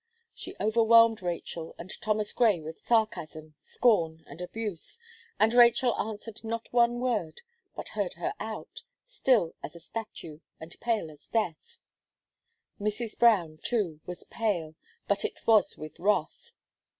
She overwhelmed Rachel and Thomas Gray with sarcasm, scorn and abuse, and Rachel answered not one word, but heard her out, still as a statue, and pale as death. Mrs. Brown, too, was pale, but it was with wrath.